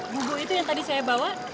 bugo itu yang tadi saya bawa